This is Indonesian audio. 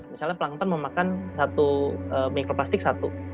misalnya pelangton memakan mikroplastik satu